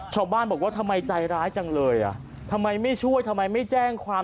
ชาวบ้านบอกว่าทำไมใจร้ายจังเลยอ่ะทำไมไม่ช่วยทำไมไม่แจ้งความ